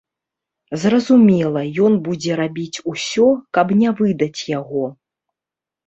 Зразумела, ён будзе рабіць усё, каб не выдаць яго.